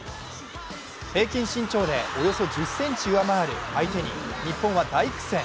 平均身長でおよそ１０ｃｍ上回る相手に日本は大苦戦。